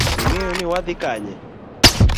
Ing’eyoni wadhi Kanye?